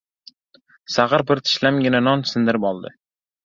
Sag‘ir bir tishlamgina non sindirib oldi.